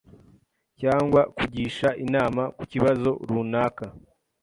cyangwa kugisha inama ku kibazo runaka